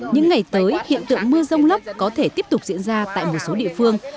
những ngày tới hiện tượng mưa rông lốc có thể tiếp tục diễn ra tại một số địa phương